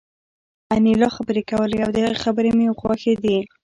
انیلا خبرې کولې او د هغې خبرې مې خوښېدې